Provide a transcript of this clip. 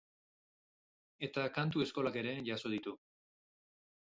Eta kantu eskolak ere jaso ditu.